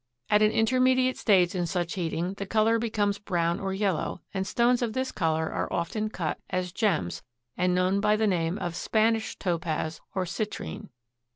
At an intermediate stage in such heating the color becomes brown or yellow, and stones of this color are often cut as gems and known by the name of "Spanish topaz" or "citrine."